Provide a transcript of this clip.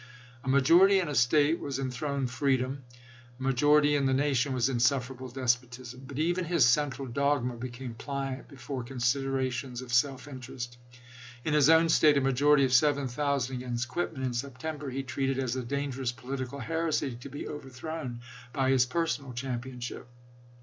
A majority in a State was enthroned freedom ; a majority in the nation was insufferable despotism. But even his central dogma became pliant before considerations of self interest. In his own State, a majority of seven thousand against Quitman in September he treated as a dangerous political heresy to be over thrown by his personal championship.